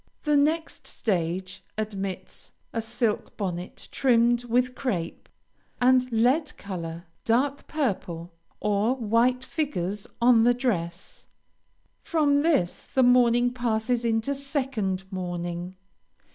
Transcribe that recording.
The next stage admits a silk bonnet trimmed with crape, and lead color, dark purple, or white figures on the dress. From this the mourning passes into second mourning.